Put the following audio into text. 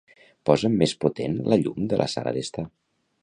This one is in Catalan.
Posa'm més potent la llum de la sala d'estar.